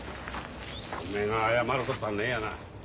おめえが謝ることはねえやな。